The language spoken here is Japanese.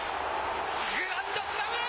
グランドスラム！